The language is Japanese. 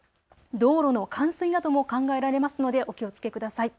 道路の冠水なども考えられますのでお気をつけください。